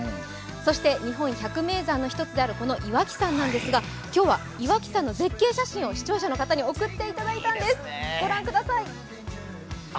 そして日本百名山の一つである、この岩木山なんですが、今日は岩木山の絶景写真を視聴者の方に送っていただいたんです。